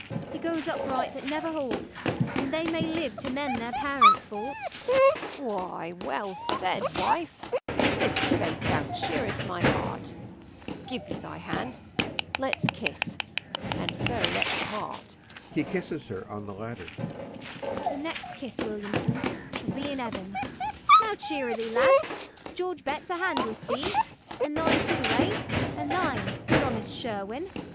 he goes upright that never halts, And they may live to mend their parents' faults. WILLIAMSON. Why, well said, wife; yfaith, thou cheerest my heart: Give me thy hand; let's kiss, and so let's part. [He kisses her on the ladder.] DOLL. The next kiss, Williamson, shall be in heaven. Now cheerily, lads! George Betts, a hand with thee; And thine too, Rafe, and thine, good honest Sherwin.